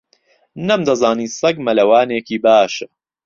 نەمدەزانی سەگ مەلەوانێکی باشە.